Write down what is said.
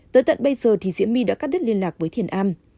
tới tận bây giờ thì diễm my đã cắt đứt liên lạc với thiền a